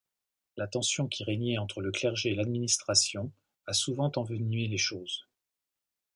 La tension qui régnait entre le clergé et l'administration a souvent envenimé les choses.